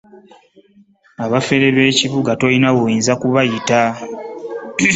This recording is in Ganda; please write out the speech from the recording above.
Abafere b'ekibuga tolina woyinza kubayita.